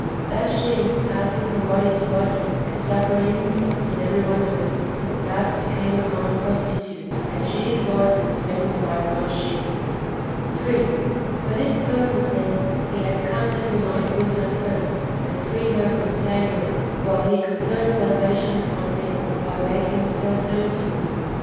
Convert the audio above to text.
Thus she, passing from body to body, and suffering insults in every one of them, at last became a common prostitute ; and she it was that was meant by the lost sheep.^ 3. For this purpose, then, he had come that he might win her first, and free her from slavery, while he conferred salvation upon men, by making himself known to them.